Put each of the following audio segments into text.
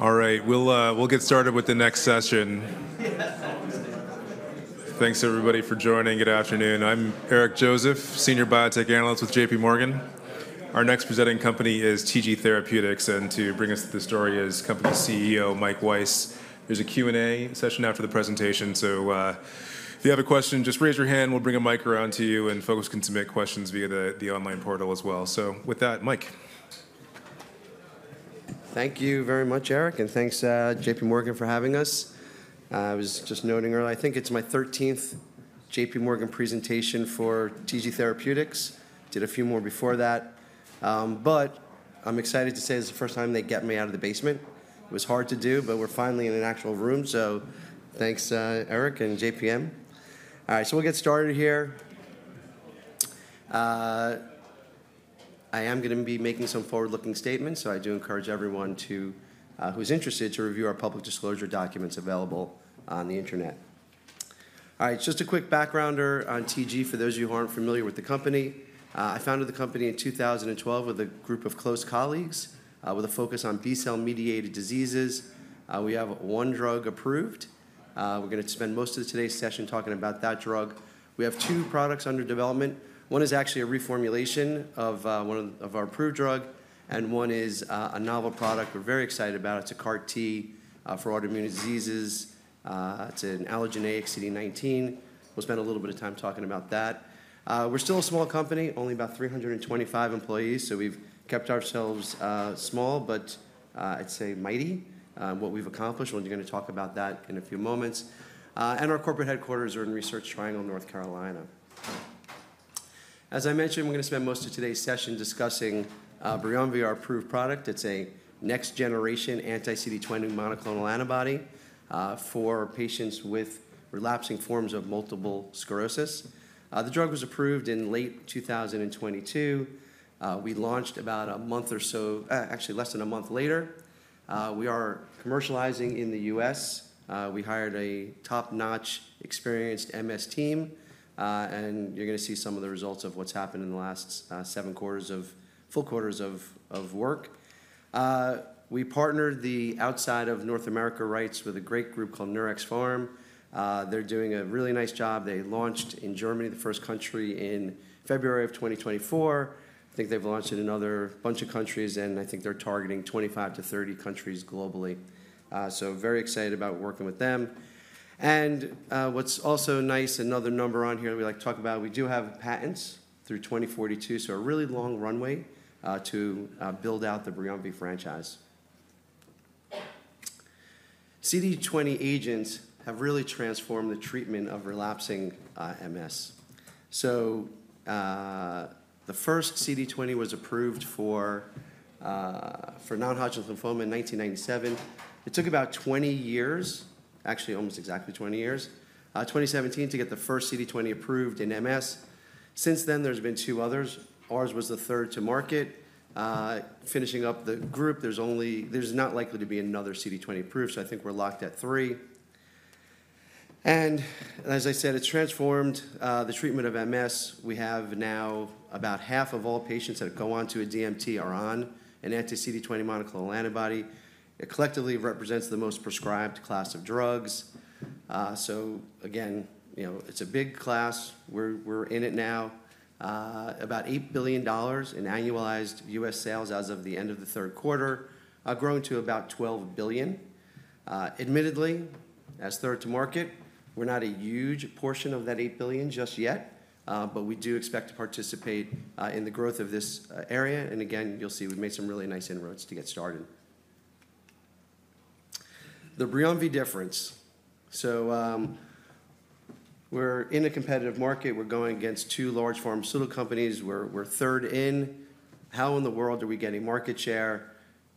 All right, we'll get started with the next session. Thanks, everybody, for joining. Good afternoon. I'm Eric Joseph, senior biotech analyst with JPMorgan. Our next presenting company is TG Therapeutics. And to bring us to the story is company CEO Mike Weiss. There's a Q&A session after the presentation. So if you have a question, just raise your hand. We'll bring a mic around to you, and folks can submit questions via the online portal as well. So with that, Mike. Thank you very much, Eric, and thanks, JPMorgan, for having us. I was just noting earlier, I think it's my 13th JPMorgan presentation for TG Therapeutics. Did a few more before that, but I'm excited to say this is the first time they get me out of the basement. It was hard to do, but we're finally in an actual room, so thanks, Eric and JPM. All right, so we'll get started here. I am going to be making some forward-looking statements, so I do encourage everyone who's interested to review our public disclosure documents available on the internet. All right, just a quick background on TG for those of you who aren't familiar with the company. I founded the company in 2012 with a group of close colleagues with a focus on B-cell mediated diseases. We have one drug approved. We're going to spend most of today's session talking about that drug. We have two products under development. One is actually a reformulation of one of our approved drugs, and one is a novel product we're very excited about. It's a CAR T for autoimmune diseases. It's an allogeneic CD19. We'll spend a little bit of time talking about that. We're still a small company, only about 325 employees. So we've kept ourselves small, but I'd say mighty in what we've accomplished. We're going to talk about that in a few moments, and our corporate headquarters are in Research Triangle, North Carolina. As I mentioned, we're going to spend most of today's session discussing Briumvi, our approved product. It's a next-generation anti-CD20 monoclonal antibody for patients with relapsing forms of multiple sclerosis. The drug was approved in late 2022. We launched about a month or so, actually less than a month later. We are commercializing in the U.S. We hired a top-notch, experienced MS team. You're going to see some of the results of what's happened in the last seven quarters of full quarters of work. We partnered the outside of North America rights with a great group called Neuraxpharm. They're doing a really nice job. They launched in Germany, the first country, in February of 2024. I think they've launched in another bunch of countries. I think they're targeting 25 to 30 countries globally. Very excited about working with them. What's also nice, another number on here that we like to talk about, we do have patents through 2042. A really long runway to build out the Briumvi franchise. CD20 agents have really transformed the treatment of relapsing MS. So the first CD20 was approved for non-Hodgkin's lymphoma in 1997. It took about 20 years, actually almost exactly 20 years, 2017 to get the first CD20 approved in MS. Since then, there's been two others. Ours was the third to market. Finishing up the group, there's not likely to be another CD20 approved. So I think we're locked at three. And as I said, it's transformed the treatment of MS. We have now about half of all patients that go on to a DMT are on an anti-CD20 monoclonal antibody. It collectively represents the most prescribed class of drugs. So again, it's a big class. We're in it now. About $8 billion in annualized U.S. sales as of the end of the third quarter have grown to about $12 billion. Admittedly, as third to market, we're not a huge portion of that $8 billion just yet. But we do expect to participate in the growth of this area. And again, you'll see we've made some really nice inroads to get started. The Briumvi difference. So we're in a competitive market. We're going against two large pharmaceutical companies. We're third in. How in the world are we getting market share?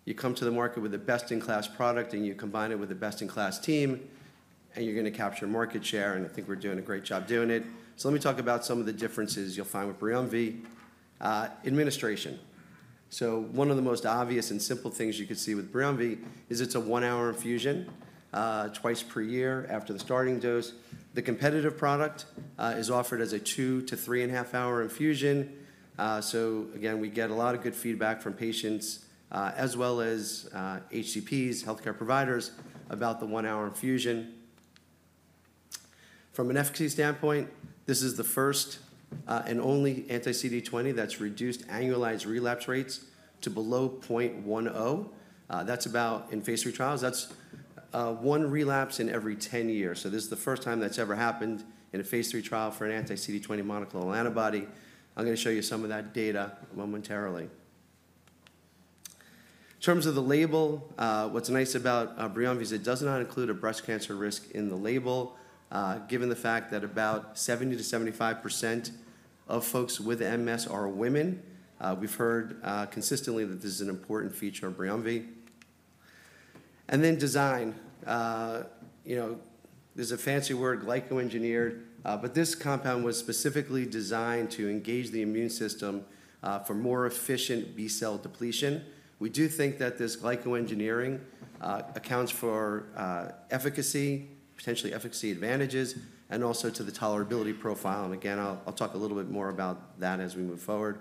You come to the market with the best-in-class product, and you combine it with the best-in-class team, and you're going to capture market share. And I think we're doing a great job doing it. So let me talk about some of the differences you'll find with Briumvi. Administration. So one of the most obvious and simple things you could see with Briumvi is it's a one-hour infusion twice per year after the starting dose. The competitive product is offered as a two- to three-and-a-half-hour infusion. So again, we get a lot of good feedback from patients as well as HCPs, health care providers, about the one-hour infusion. From an efficacy standpoint, this is the first and only anti-CD20 that's reduced annualized relapse rates to below 0.10. That's about in phase three trials. That's one relapse in every 10 years. So this is the first time that's ever happened in a phase three trial for an anti-CD20 monoclonal antibody. I'm going to show you some of that data momentarily. In terms of the label, what's nice about Briumvi is it does not include a breast cancer risk in the label, given the fact that about 70%-75% of folks with MS are women. We've heard consistently that this is an important feature of Briumvi. And then design. There's a fancy word, glycoengineered. This compound was specifically designed to engage the immune system for more efficient B-cell depletion. We do think that this glycoengineering accounts for efficacy, potentially efficacy advantages, and also to the tolerability profile. And again, I'll talk a little bit more about that as we move forward.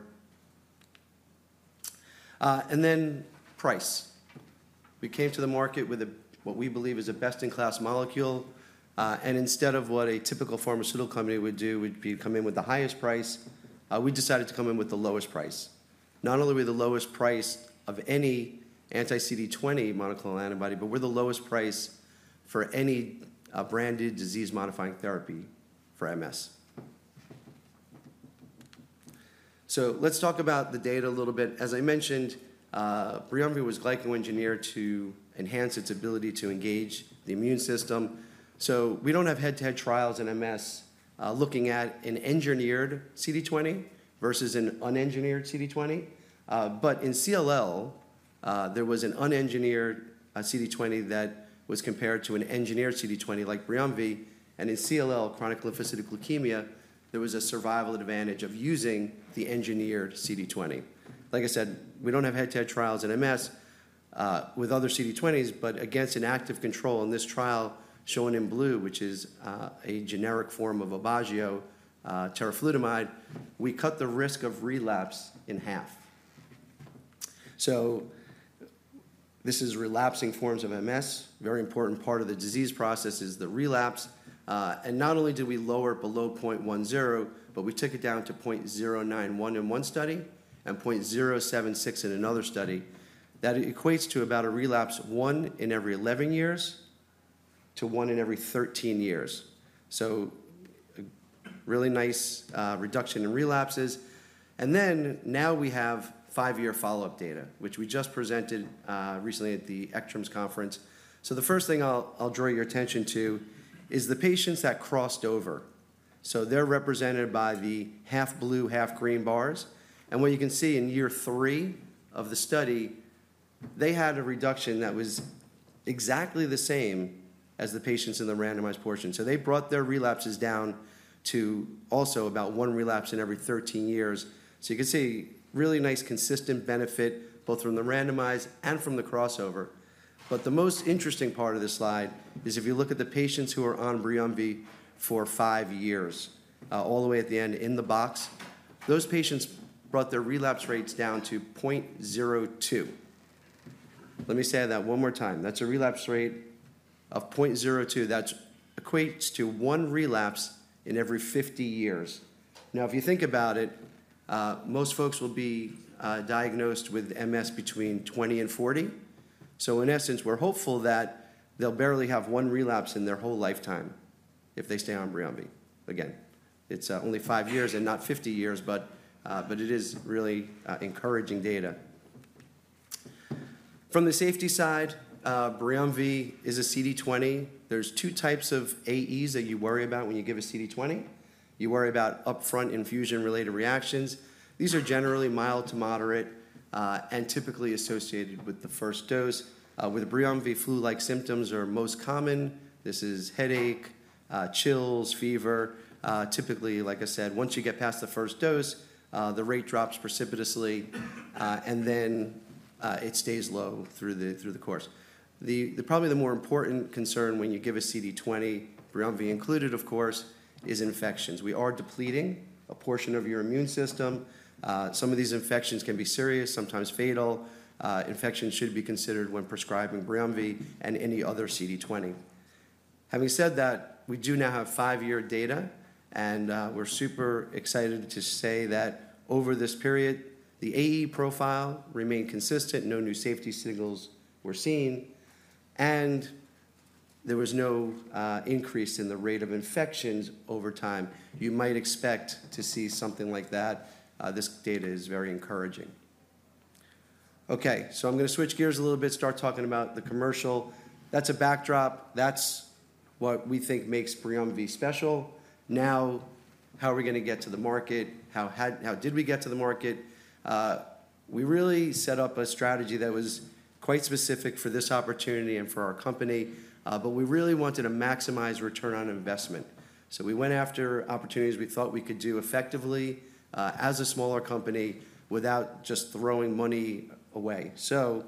And then price. We came to the market with what we believe is a best-in-class molecule. And instead of what a typical pharmaceutical company would do, would be to come in with the highest price, we decided to come in with the lowest price. Not only were we the lowest price of any anti-CD20 monoclonal antibody, but we're the lowest price for any branded disease-modifying therapy for MS. So let's talk about the data a little bit. As I mentioned, Briumvi was glycoengineered to enhance its ability to engage the immune system. We don't have head-to-head trials in MS looking at an engineered CD20 versus an unengineered CD20. But in CLL, there was an unengineered CD20 that was compared to an engineered CD20 like Briumvi. And in CLL, chronic lymphocytic leukemia, there was a survival advantage of using the engineered CD20. Like I said, we don't have head-to-head trials in MS with other CD20s. But against an active control in this trial shown in blue, which is a generic form of Aubagio teriflunomide, we cut the risk of relapse in half. This is relapsing forms of MS. Very important part of the disease process is the relapse. And not only did we lower it below 0.10, but we took it down to 0.091 in one study and 0.076 in another study. That equates to about a relapse one in every 11 years to one in every 13 years. So really nice reduction in relapses. And then now we have five-year follow-up data, which we just presented recently at the ECTRIMS Conference. So the first thing I'll draw your attention to is the patients that crossed over. So they're represented by the half blue, half green bars. And what you can see in year three of the study, they had a reduction that was exactly the same as the patients in the randomized portion. So they brought their relapses down to also about one relapse in every 13 years. So you can see really nice consistent benefit both from the randomized and from the crossover. But the most interesting part of this slide is if you look at the patients who are on Briumvi for five years, all the way at the end in the box, those patients brought their relapse rates down to 0.02. Let me say that one more time. That's a relapse rate of 0.02. That equates to one relapse in every 50 years. Now, if you think about it, most folks will be diagnosed with MS between 20 and 40. So in essence, we're hopeful that they'll barely have one relapse in their whole lifetime if they stay on Briumvi. Again, it's only five years and not 50 years. But it is really encouraging data. From the safety side, Briumvi is a CD20. There's two types of AEs that you worry about when you give a CD20. You worry about upfront infusion-related reactions. These are generally mild to moderate and typically associated with the first dose. With Briumvi, flu-like symptoms are most common. This is headache, chills, fever. Typically, like I said, once you get past the first dose, the rate drops precipitously. And then it stays low through the course. Probably the more important concern when you give a CD20, Briumvi included, of course, is infections. We are depleting a portion of your immune system. Some of these infections can be serious, sometimes fatal. Infections should be considered when prescribing Briumvi and any other CD20. Having said that, we do now have five-year data. And we're super excited to say that over this period, the AE profile remained consistent. No new safety signals were seen. And there was no increase in the rate of infections over time. You might expect to see something like that. This data is very encouraging. OK, so I'm going to switch gears a little bit, start talking about the commercial. That's a backdrop. That's what we think makes Briumvi special. Now, how are we going to get to the market? How did we get to the market? We really set up a strategy that was quite specific for this opportunity and for our company. But we really wanted to maximize return on investment. So we went after opportunities we thought we could do effectively as a smaller company without just throwing money away. So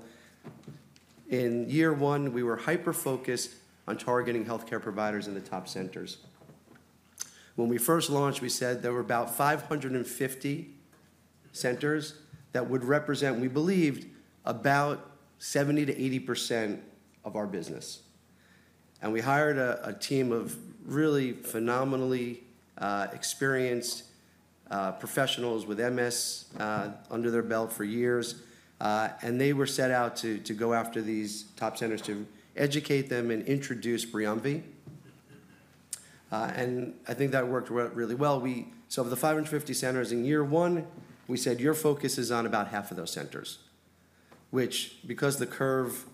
in year one, we were hyper-focused on targeting health care providers in the top centers. When we first launched, we said there were about 550 centers that would represent, we believed, about 70% to 80% of our business. And we hired a team of really phenomenally experienced professionals with MS under their belt for years. And they were set out to go after these top centers to educate them and introduce Briumvi. And I think that worked really well. So of the 550 centers in year one, we said your focus is on about half of those centers, which because the curve,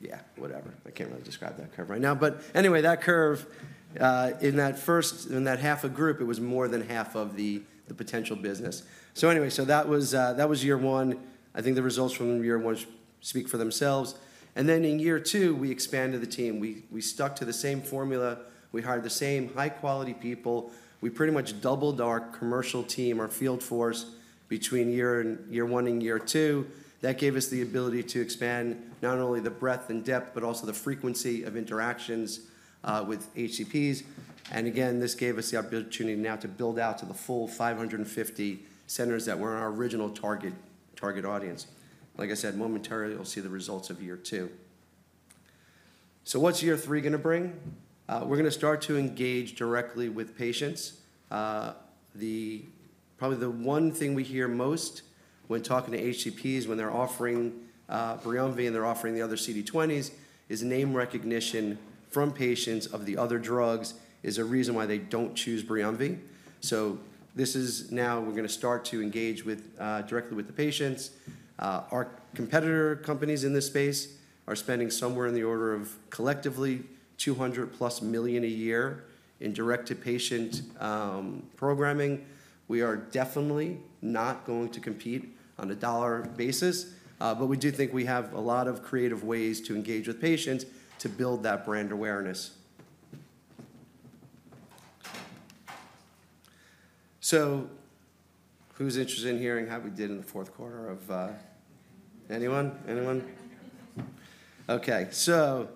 yeah, whatever. I can't really describe that curve right now. But anyway, that curve in that half a group, it was more than half of the potential business. So anyway, so that was year one. I think the results from year one speak for themselves. And then in year two, we expanded the team. We stuck to the same formula. We hired the same high-quality people. We pretty much doubled our commercial team, our field force between year one and year two. That gave us the ability to expand not only the breadth and depth, but also the frequency of interactions with HCPs. And again, this gave us the opportunity now to build out to the full 550 centers that were our original target audience. Like I said, momentarily, you'll see the results of year two. So what's year three going to bring? We're going to start to engage directly with patients. Probably the one thing we hear most when talking to HCPs when they're offering Briumvi and they're offering the other CD20s is name recognition from patients of the other drugs is a reason why they don't choose Briumvi. So this is now we're going to start to engage directly with the patients. Our competitor companies in this space are spending somewhere in the order of collectively $200+ million a year in direct-to-patient programming. We are definitely not going to compete on a dollar basis. But we do think we have a lot of creative ways to engage with patients to build that brand awareness. So who's interested in hearing how we did in the fourth quarter? Anyone? Anyone? OK, so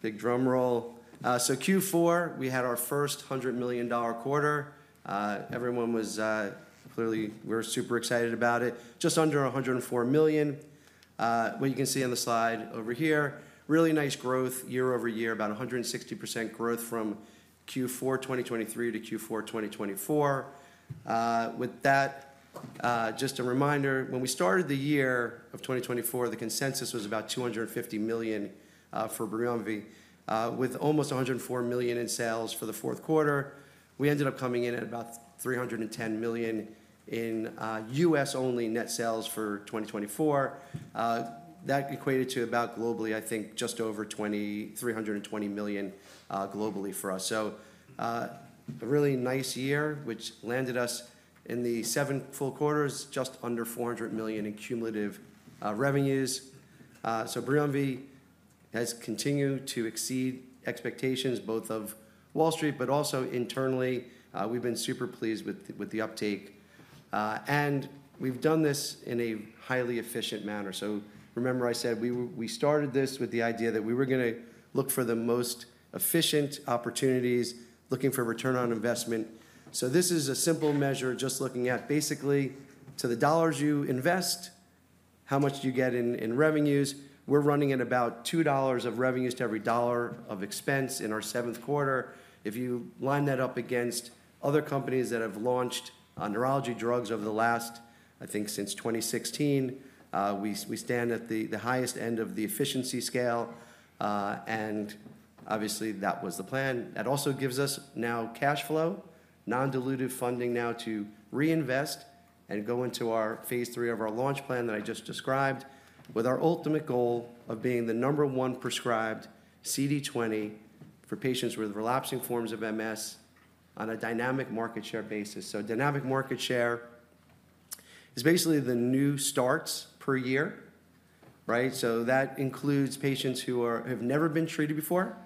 big drum roll. So Q4, we had our first $100 million quarter. Everyone was clearly, we're super excited about it. Just under $104 million, what you can see on the slide over here. Really nice growth year over year, about 160% growth from Q4 2023 to Q4 2024. With that, just a reminder, when we started the year of 2024, the consensus was about $250 million for Briumvi, with almost $104 million in sales for the fourth quarter. We ended up coming in at about $310 million in U.S.-only net sales for 2024. That equated to about globally, I think, just over $320 million globally for us. So a really nice year, which landed us in the seven full quarters just under $400 million in cumulative revenues. So Briumvi has continued to exceed expectations, both of Wall Street, but also internally. We've been super pleased with the uptake. We've done this in a highly efficient manner. Remember I said we started this with the idea that we were going to look for the most efficient opportunities, looking for return on investment. This is a simple measure just looking at basically to the dollars you invest, how much you get in revenues. We're running at about $2 of revenues to every dollar of expense in our seventh quarter. If you line that up against other companies that have launched neurology drugs over the last, I think, since 2016, we stand at the highest end of the efficiency scale. Obviously, that was the plan. That also gives us now cash flow, non-diluted funding now to reinvest and go into our phase three of our launch plan that I just described, with our ultimate goal of being the number one prescribed CD20 for patients with relapsing forms of MS on a dynamic market share basis. So dynamic market share is basically the new starts per year, right? So that includes patients who have never been treated before,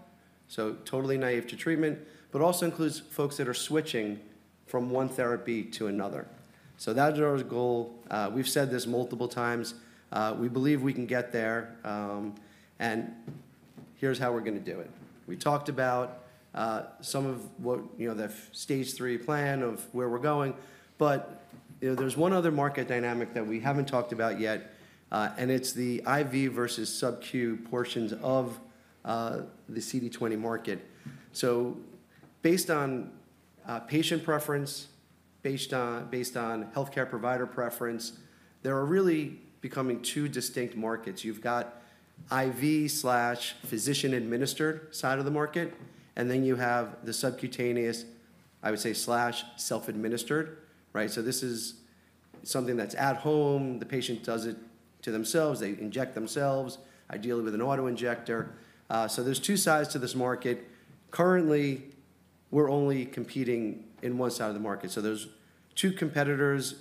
so totally naive to treatment, but also includes folks that are switching from one therapy to another. So that is our goal. We've said this multiple times. We believe we can get there. And here's how we're going to do it. We talked about some of the phase three plan of where we're going. But there's one other market dynamic that we haven't talked about yet. And it's the IV versus subcu portions of the CD20 market. Based on patient preference, based on health care provider preference, there are really becoming two distinct markets. You've got IV/physician-administered side of the market. And then you have the subcutaneous, I would say, self-administered, right? So this is something that's at home. The patient does it to themselves. They inject themselves, ideally with an autoinjector. So there's two sides to this market. Currently, we're only competing in one side of the market. So there's two competitors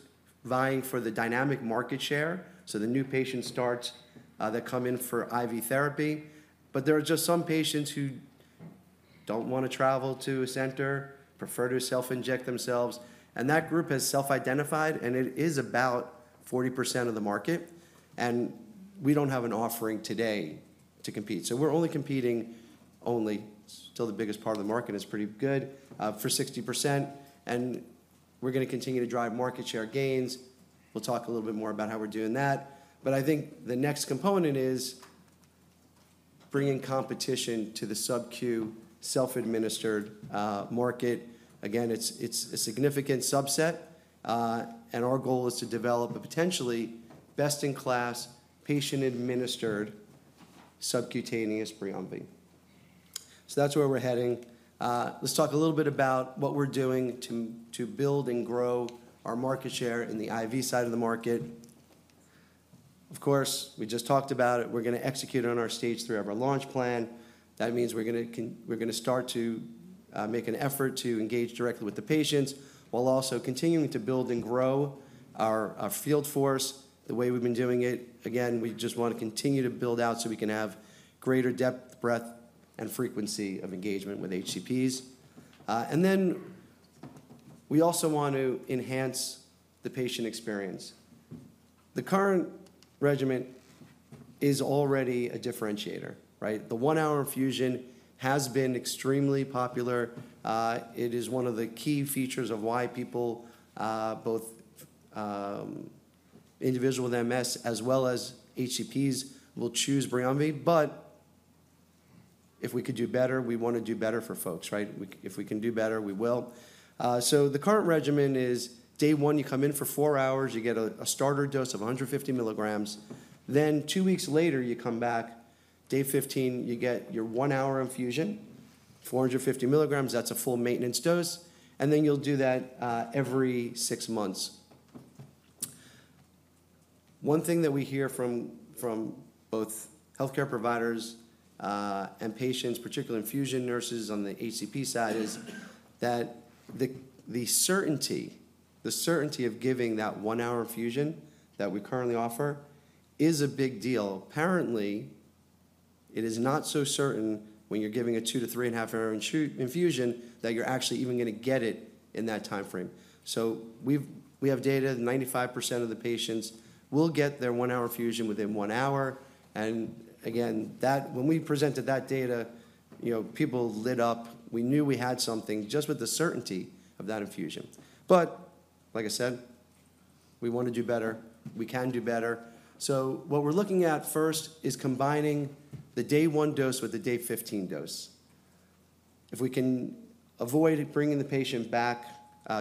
vying for the dynamic market share. So the new patient starts that come in for IV therapy. But there are just some patients who don't want to travel to a center, prefer to self-inject themselves. And that group has self-identified. And it is about 40% of the market. And we don't have an offering today to compete. So we're only competing in the biggest part of the market. It is pretty good for 60%, and we're going to continue to drive market share gains. We'll talk a little bit more about how we're doing that, but I think the next component is bringing competition to the subcu self-administered market. Again, it's a significant subset, and our goal is to develop a potentially best-in-class patient-administered subcutaneous Briumvi, so that's where we're heading. Let's talk a little bit about what we're doing to build and grow our market share in the IV side of the market. Of course, we just talked about it. We're going to execute on our stage three of our launch plan. That means we're going to start to make an effort to engage directly with the patients while also continuing to build and grow our field force the way we've been doing it. Again, we just want to continue to build out so we can have greater depth, breadth, and frequency of engagement with HCPs. And then we also want to enhance the patient experience. The current regimen is already a differentiator, right? The one-hour infusion has been extremely popular. It is one of the key features of why people, both individuals with MS as well as HCPs, will choose Briumvi. But if we could do better, we want to do better for folks, right? If we can do better, we will. So the current regimen is day one, you come in for four hours. You get a starter dose of 150 mg. Then two weeks later, you come back. Day 15, you get your one-hour infusion, 450 mg. That's a full maintenance dose. And then you'll do that every six months. One thing that we hear from both health care providers and patients, particularly infusion nurses on the HCP side, is that the certainty of giving that one-hour infusion that we currently offer is a big deal. Apparently, it is not so certain when you're giving a two to three-and-a-half-hour infusion that you're actually even going to get it in that time frame. So we have data that 95% of the patients will get their one-hour infusion within one hour. And again, when we presented that data, people lit up. We knew we had something just with the certainty of that infusion. But like I said, we want to do better. We can do better. So what we're looking at first is combining the day-one dose with the day-15 dose. If we can avoid bringing the patient back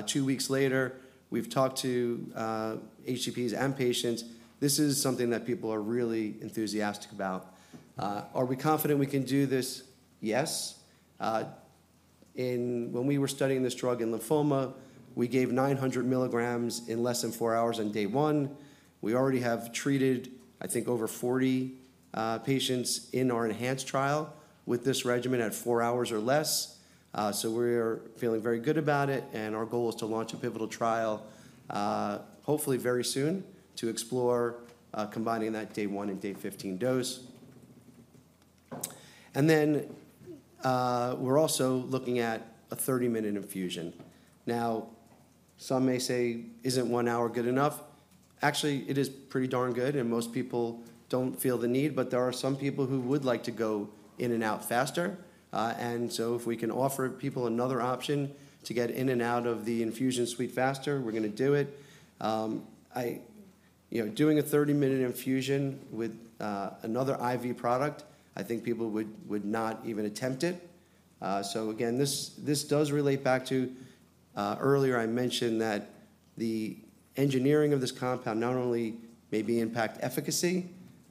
two weeks later, we've talked to HCPs and patients. This is something that people are really enthusiastic about. Are we confident we can do this? Yes. When we were studying this drug in lymphoma, we gave 900 mg in less than four hours on day one. We already have treated, I think, over 40 patients in our enhanced trial with this regimen at four hours or less. So we're feeling very good about it, and our goal is to launch a pivotal trial, hopefully very soon, to explore combining that day-one and day-15 dose, and then we're also looking at a 30-minute infusion. Now, some may say, isn't one hour good enough? Actually, it is pretty darn good, and most people don't feel the need, but there are some people who would like to go in and out faster. And so if we can offer people another option to get in and out of the infusion suite faster, we're going to do it. Doing a 30-minute infusion with another IV product, I think people would not even attempt it. So again, this does relate back to earlier I mentioned that the engineering of this compound not only maybe impacts efficacy,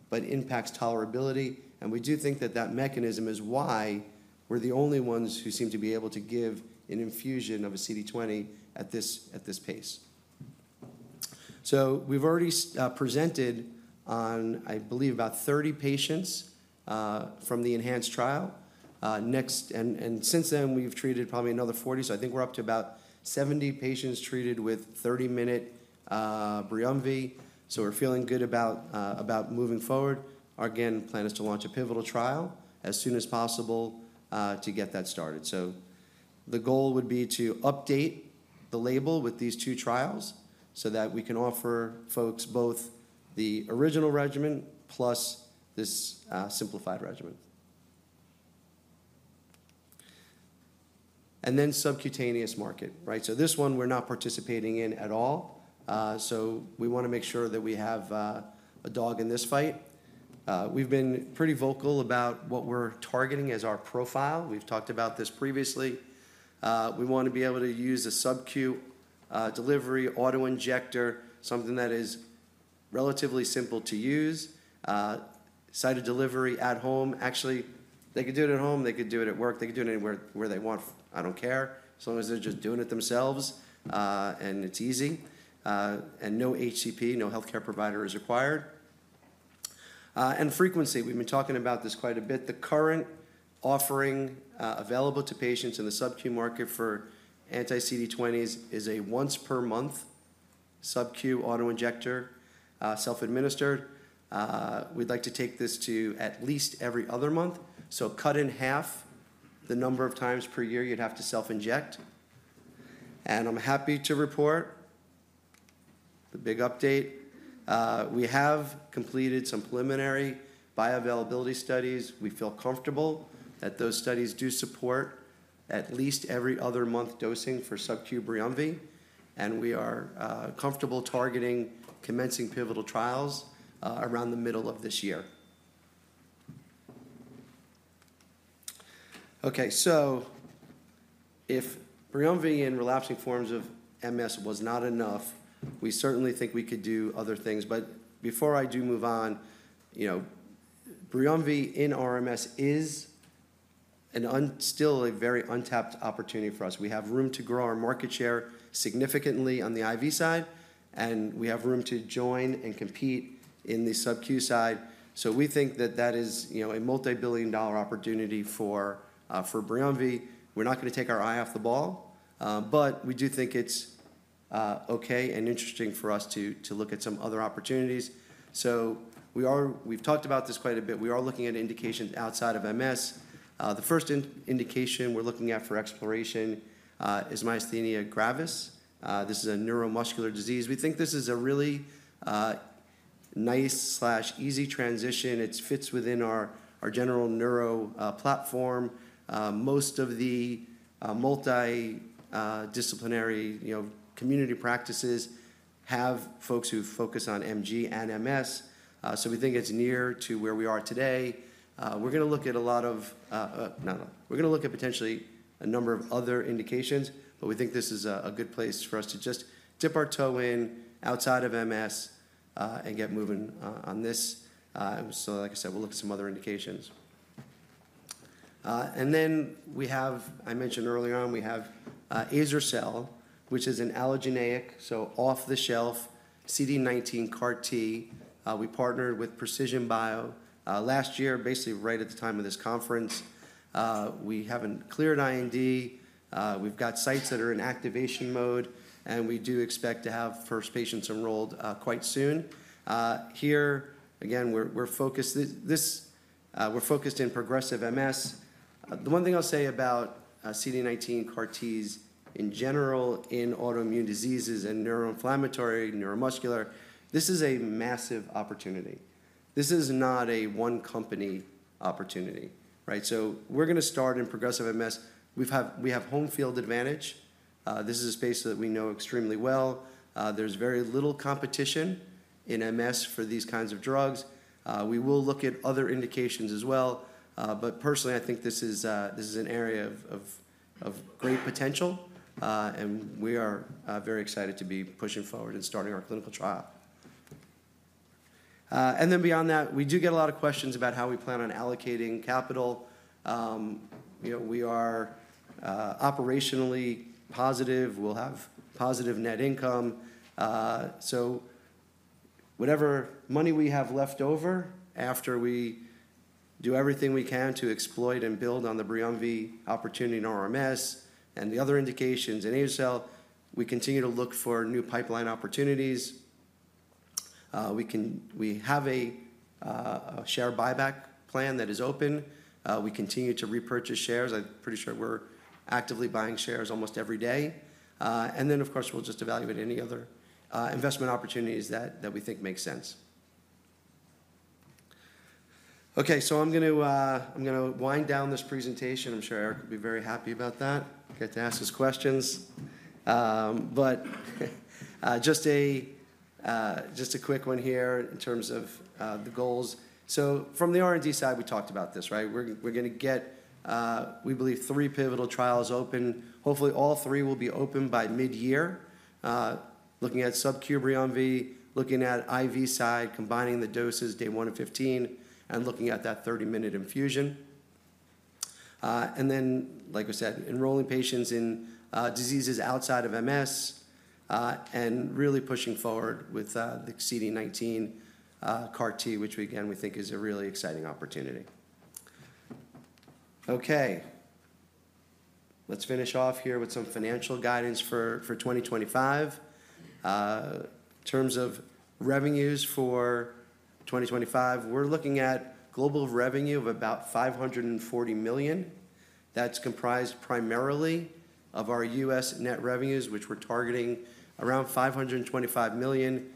but impacts tolerability. And we do think that that mechanism is why we're the only ones who seem to be able to give an infusion of a CD20 at this pace. So we've already presented on, I believe, about 30 patients from the enhanced trial. And since then, we've treated probably another 40. So I think we're up to about 70 patients treated with 30-minute Briumvi. So we're feeling good about moving forward. Once again, our plan is to launch a pivotal trial as soon as possible to get that started. So the goal would be to update the label with these two trials so that we can offer folks both the original regimen plus this simplified regimen. And then subcutaneous market, right? So this one, we're not participating in at all. So we want to make sure that we have a dog in this fight. We've been pretty vocal about what we're targeting as our profile. We've talked about this previously. We want to be able to use a subcu delivery autoinjector, something that is relatively simple to use, site of delivery at home. Actually, they could do it at home. They could do it at work. They could do it anywhere they want. I don't care as long as they're just doing it themselves. And it's easy. And no HCP, no health care provider is required. And frequency, we've been talking about this quite a bit. The current offering available to patients in the subcu market for anti-CD20s is a once-per-month subcu autoinjector, self-administered. We'd like to take this to at least every other month. So cut in half the number of times per year you'd have to self-inject. And I'm happy to report the big update. We have completed some preliminary bioavailability studies. We feel comfortable that those studies do support at least every other month dosing for subcu Briumvi. And we are comfortable targeting commencing pivotal trials around the middle of this year. OK, so if Briumvi in relapsing forms of MS was not enough, we certainly think we could do other things. But before I do move on, Briumvi in RMS is still a very untapped opportunity for us. We have room to grow our market share significantly on the IV side. And we have room to join and compete in the subcu side. So we think that that is a multi-billion-dollar opportunity for Briumvi. We're not going to take our eye off the ball. But we do think it's OK and interesting for us to look at some other opportunities. So we've talked about this quite a bit. We are looking at indications outside of MS. The first indication we're looking at for exploration is myasthenia gravis. This is a neuromuscular disease. We think this is a really nice/easy transition. It fits within our general neuro platform. Most of the multidisciplinary community practices have folks who focus on MG and MS. So we think it's near to where we are today. We're going to look at a lot. We're going to look at potentially a number of other indications. But we think this is a good place for us to just dip our toe in outside of MS and get moving on this. So like I said, we'll look at some other indications. And then we have, I mentioned earlier on, we have azer-cel, which is an allogeneic, so off-the-shelf CD19 CAR T. We partnered with Precision Bio last year, basically right at the time of this conference. We haven't cleared IND. We've got sites that are in activation mode. And we do expect to have first patients enrolled quite soon. Here, again, we're focused in progressive MS. The one thing I'll say about CD19 CAR Ts in general in autoimmune diseases and neuroinflammatory, neuromuscular, this is a massive opportunity. This is not a one-company opportunity, right? So we're going to start in progressive MS. We have home field advantage. This is a space that we know extremely well. There's very little competition in MS for these kinds of drugs. We will look at other indications as well, but personally, I think this is an area of great potential, and we are very excited to be pushing forward and starting our clinical trial, and then beyond that, we do get a lot of questions about how we plan on allocating capital. We are operationally positive. We'll have positive net income, so whatever money we have left over after we do everything we can to exploit and build on the Briumvi opportunity in our MS and the other indications in azer-cel, we continue to look for new pipeline opportunities. We have a share buyback plan that is open. We continue to repurchase shares. I'm pretty sure we're actively buying shares almost every day. And then, of course, we'll just evaluate any other investment opportunities that we think make sense. OK, so I'm going to wind down this presentation. I'm sure Eric will be very happy about that, get to ask his questions. But just a quick one here in terms of the goals. So from the R&D side, we talked about this, right? We're going to get, we believe, three pivotal trials open. Hopefully, all three will be open by mid-year, looking at subcu Briumvi, looking at IV side, combining the doses day one and 15, and looking at that 30-minute infusion. And then, like I said, enrolling patients in diseases outside of MS and really pushing forward with the CD19 CAR T, which, again, we think is a really exciting opportunity. OK, let's finish off here with some financial guidance for 2025. In terms of revenues for 2025, we're looking at global revenue of about $540 million. That's comprised primarily of our U.S. net revenues, which we're targeting around $525 million.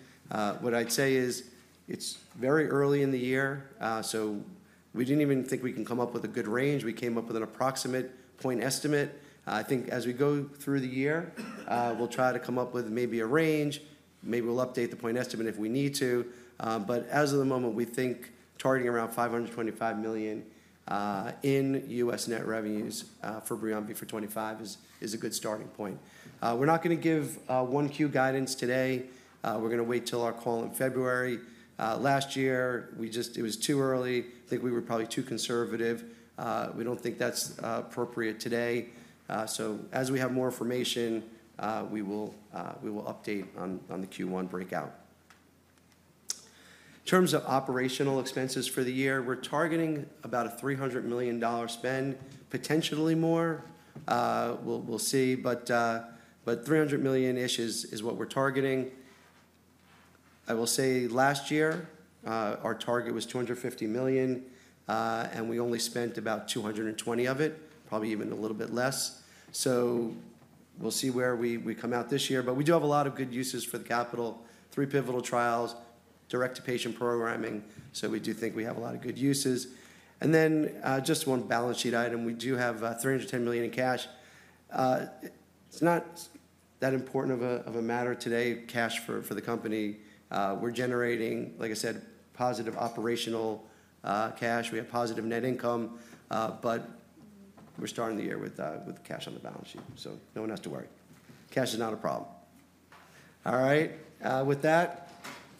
What I'd say is it's very early in the year. So we didn't even think we can come up with a good range. We came up with an approximate point estimate. I think as we go through the year, we'll try to come up with maybe a range. Maybe we'll update the point estimate if we need to. But as of the moment, we think targeting around $525 million in U.S. net revenues for Briumvi for 2025 is a good starting point. We're not going to give Q1 guidance today. We're going to wait till our call in February. Last year, it was too early. I think we were probably too conservative. We don't think that's appropriate today. So as we have more information, we will update on the Q1 breakout. In terms of operational expenses for the year, we're targeting about a $300 million spend, potentially more. We'll see. But $300 million-ish is what we're targeting. I will say last year, our target was $250 million. And we only spent about $220 of it, probably even a little bit less. So we'll see where we come out this year. But we do have a lot of good uses for the capital: three pivotal trials, direct-to-patient programming. So we do think we have a lot of good uses. And then just one balance sheet item. We do have $310 million in cash. It's not that important of a matter today, cash for the company. We're generating, like I said, positive operational cash. We have positive net income. But we're starting the year with cash on the balance sheet. So no one has to worry. Cash is not a problem. All right, with that,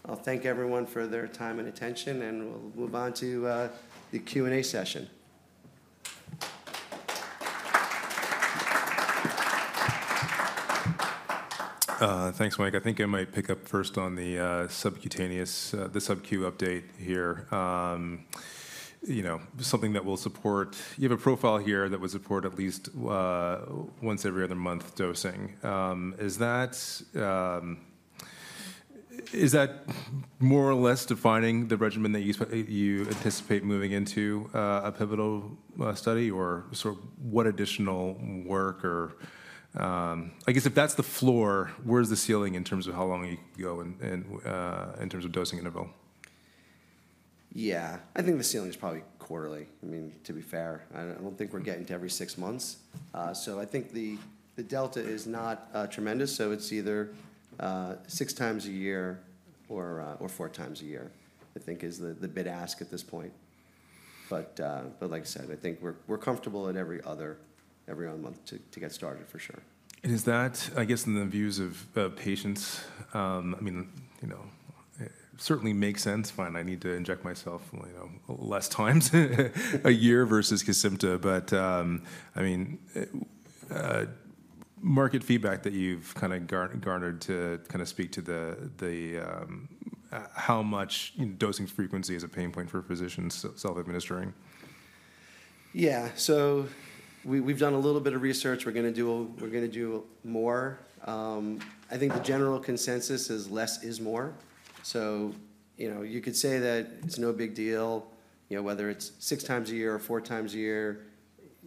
I'll thank everyone for their time and attention. And we'll move on to the Q&A session. Thanks, Mike. I think I might pick up first on the subcutaneous, the subcu update here. Something that will support you have a profile here that would support at least once every other month dosing. Is that more or less defining the regimen that you anticipate moving into a pivotal study? Or sort of what additional work? Or I guess if that's the floor, where's the ceiling in terms of how long you can go in terms of dosing interval? Yeah, I think the ceiling is probably quarterly, I mean, to be fair. I don't think we're getting to every six months. So I think the delta is not tremendous. So it's either six times a year or four times a year, I think, is the bid-ask at this point. But like I said, I think we're comfortable at every other month to get started, for sure. Is that, I guess, in the views of patients? I mean, certainly makes sense. Fine, I need to inject myself less times a year versus Kysimpta. But I mean, market feedback that you've kind of garnered to kind of speak to how much dosing frequency is a pain point for physicians self-administering? Yeah, so we've done a little bit of research. We're going to do more. I think the general consensus is less is more. So you could say that it's no big deal, whether it's six times a year or four times a year,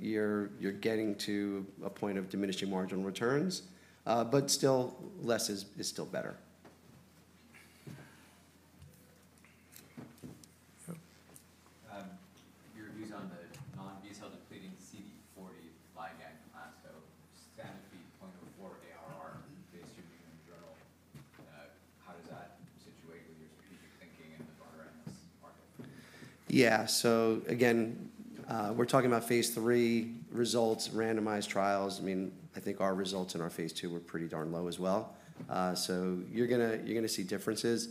you're getting to a point of diminishing margin returns. But still, less is still better. Your views on the non-B cell depleting CD40 ligand class of 70% ARR published in your journal, how does that situate with your strategic thinking in the broader MS market? Yeah, so again, we're talking about phase three results, randomized trials. I mean, I think our results in our phase two were pretty darn low as well. So you're going to see differences.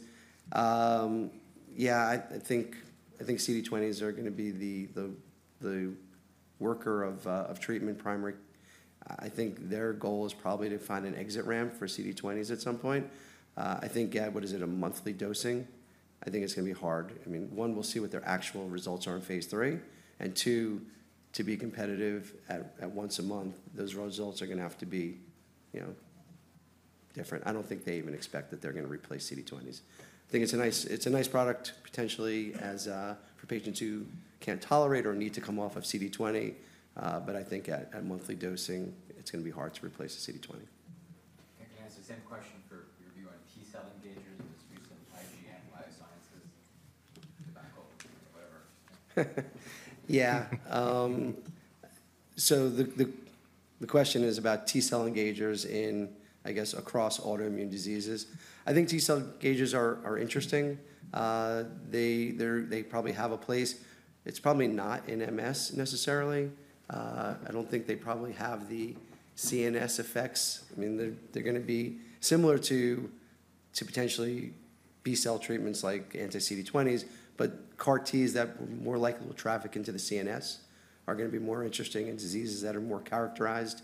Yeah, I think CD20s are going to be the workhorse of treatment primary. I think their goal is probably to find an exit ramp for CD20s at some point. I think, yeah, what is it, a monthly dosing? I think it's going to be hard. I mean, one, we'll see what their actual results are in phase three. And two, to be competitive at once a month, those results are going to have to be different. I don't think they even expect that they're going to replace CD20s. I think it's a nice product, potentially, for patients who can't tolerate or need to come off of CD20. But I think at monthly dosing, it's going to be hard to replace the CD20. I can ask the same question for your view on T-cell engagers in this recent IGM Biosciences takeover, whatever. Yeah, so the question is about T-cell engagers in, I guess, across autoimmune diseases. I think T-cell engagers are interesting. They probably have a place. It's probably not in MS necessarily. I don't think they probably have the CNS effects. I mean, they're going to be similar to potentially B-cell treatments like anti-CD20s. But CAR Ts that more likely will traffic into the CNS are going to be more interesting in diseases that are more characterized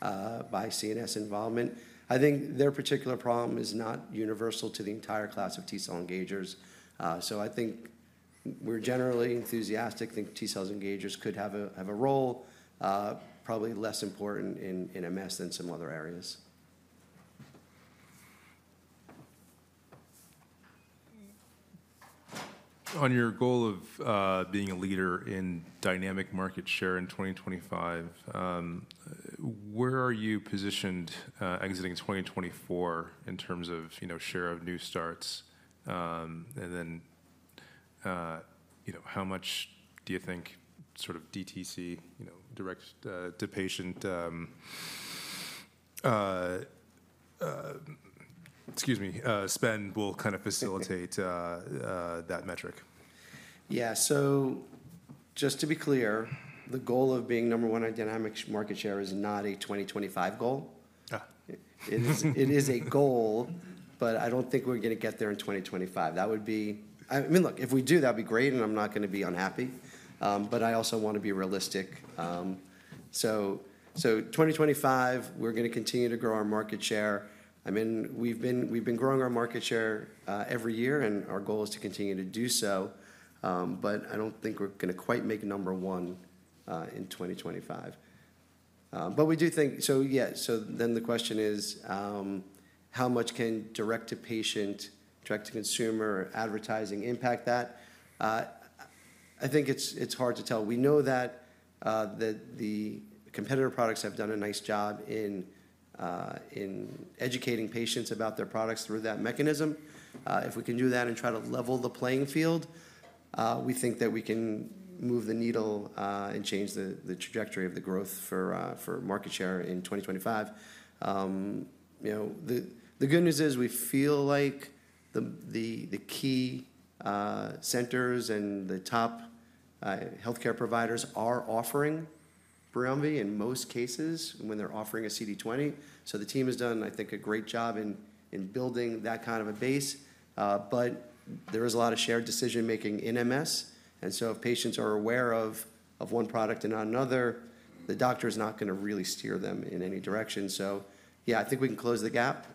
by CNS involvement. I think their particular problem is not universal to the entire class of T-cell engagers. So I think we're generally enthusiastic. I think T-cell engagers could have a role, probably less important in MS than some other areas. On your goal of being a leader in dynamic market share in 2025, where are you positioned exiting 2024 in terms of share of new starts? And then how much do you think sort of DTC, direct-to-patient, excuse me, spend will kind of facilitate that metric? Yeah, so just to be clear, the goal of being number one in dynamic market share is not a 2025 goal. It is a goal, but I don't think we're going to get there in 2025. That would be, I mean, look, if we do, that would be great. And I'm not going to be unhappy. But I also want to be realistic. So 2025, we're going to continue to grow our market share. I mean, we've been growing our market share every year. And our goal is to continue to do so. But I don't think we're going to quite make number one in 2025. But we do think, so yeah, so then the question is, how much can direct-to-patient, direct-to-consumer advertising impact that? I think it's hard to tell. We know that the competitor products have done a nice job in educating patients about their products through that mechanism. If we can do that and try to level the playing field, we think that we can move the needle and change the trajectory of the growth for market share in 2025. The good news is we feel like the key centers and the top health care providers are offering Briumvi in most cases when they're offering a CD20. So the team has done, I think, a great job in building that kind of a base. But there is a lot of shared decision-making in MS. And so if patients are aware of one product and not another, the doctor is not going to really steer them in any direction. So yeah, I think we can close the gap.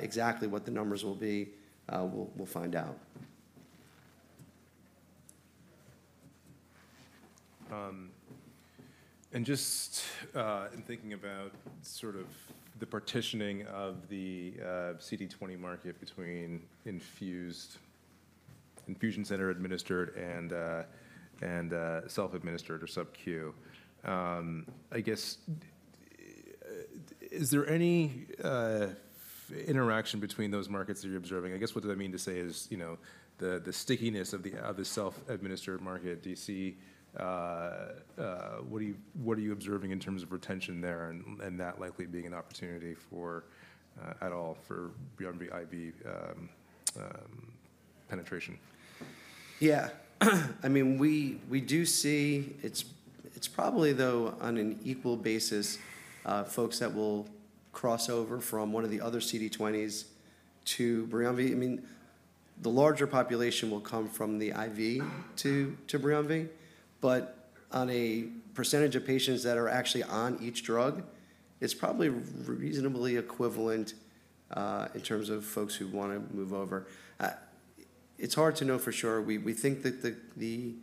Exactly what the numbers will be, we'll find out. Just in thinking about sort of the partitioning of the CD20 market between infused, infusion center administered, and self-administered or subcu, I guess, is there any interaction between those markets that you're observing? I guess what that means to say is the stickiness of the self-administered market. Do you see what are you observing in terms of retention there and that likely being an opportunity at all for Briumvi IV penetration? Yeah, I mean, we do see it's probably, though, on an equal basis, folks that will cross over from one of the other CD20s to Briumvi. I mean, the larger population will come from the IV to Briumvi. But on a percentage of patients that are actually on each drug, it's probably reasonably equivalent in terms of folks who want to move over. It's hard to know for sure. We think that the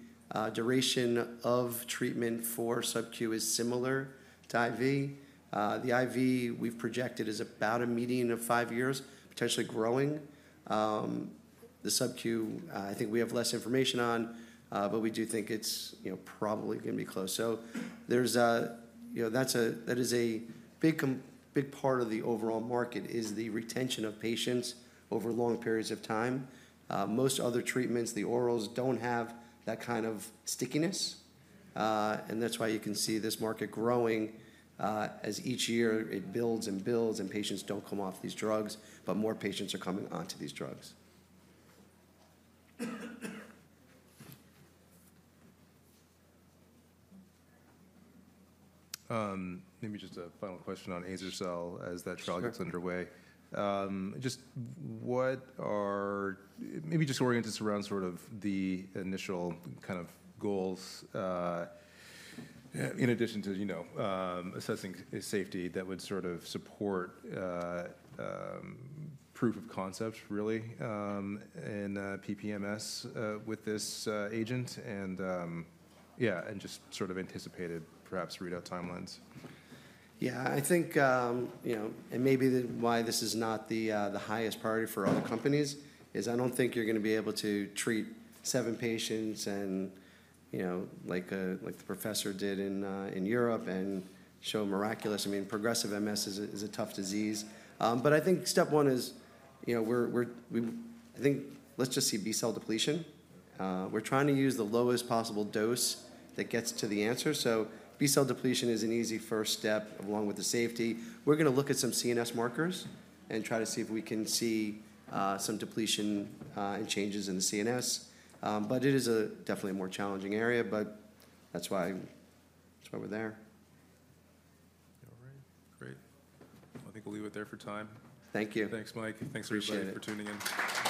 duration of treatment for subcu is similar to IV. The IV we've projected is about a median of five years, potentially growing. The subcu, I think we have less information on. But we do think it's probably going to be close. So that is a big part of the overall market is the retention of patients over long periods of time. Most other treatments, the orals, don't have that kind of stickiness. And that's why you can see this market growing as each year it builds and builds, and patients don't come off these drugs. But more patients are coming onto these drugs. Maybe just a final question on azer-cel, as that trial gets underway. Just what are maybe just oriented around sort of the initial kind of goals, in addition to assessing safety that would sort of support proof of concept, really, in PPMS with this agent? And yeah, and just sort of anticipated, perhaps, readout timelines. Yeah, I think, and maybe why this is not the highest priority for other companies is I don't think you're going to be able to treat seven patients like the professor did in Europe and show miraculous. I mean, progressive MS is a tough disease. But I think step one is I think let's just see B-cell depletion. We're trying to use the lowest possible dose that gets to the answer. So B-cell depletion is an easy first step along with the safety. We're going to look at some CNS markers and try to see if we can see some depletion and changes in the CNS. But it is definitely a more challenging area. But that's why we're there. All right, great. I think we'll leave it there for time. Thank you. Thanks, Mike. Thanks everybody for tuning in.